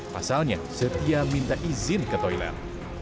pasalnya setia minta izin ke toilet